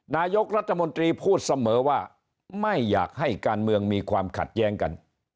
นายกรัฐมนตรีพูดเสมอว่าไม่อยากให้การเมืองมีความขัดแย้งกัน